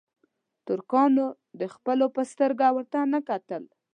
ترکانو د خپلو په سترګه ورته نه کتل.